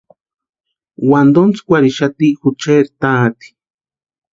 Wantontskwarixati jucheri tati.